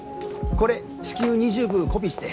これ至急２０部コピーして。